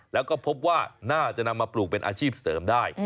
แล้วก็พบว่าน่าจะนำมาปลูกเป็นอาชีพเสริมได้